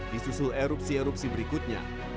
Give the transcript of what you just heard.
disusul erupsi erupsi berikutnya